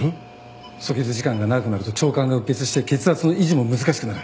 阻血時間が長くなると腸管がうっ血して血圧の維持も難しくなる。